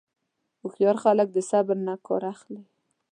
هوښیار خلک د صبر نه کار اخلي.